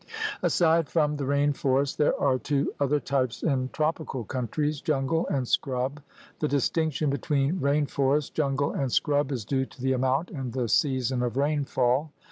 Aside from the rain forest there are two other types in tropical countries — jungle and scrub. The distinction between rain forest, jungle, and scrub is due to the amount and the season of rainfall.